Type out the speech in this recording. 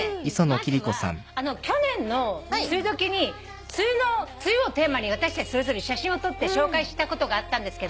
まずは去年の梅雨時に梅雨をテーマに私たちそれぞれ写真を撮って紹介したことがあったんですけども。